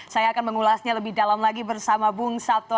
saya akan mengulasnya lebih dalam lagi bersama bung sato